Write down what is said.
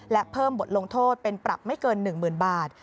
และเพิ่มบทลงโทษเป็นปรับไม่เกิน๑๐๐๐บาท